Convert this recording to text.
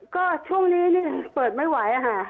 ก็ช่วงนี้เปิดไม่ไหวค่ะ